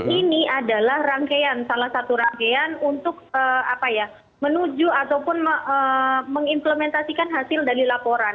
ini adalah rangkaian salah satu rangkaian untuk menuju ataupun mengimplementasikan hasil dari laporan